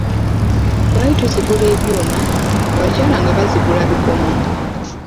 Twali tuzigula ebyuma, Abakyala nga bazigula bikomo.